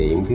sẽ có thể